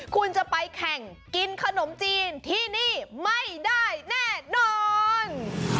คุณจะไปแข่งกินขนมจีนที่นี่ไม่ได้แน่นอน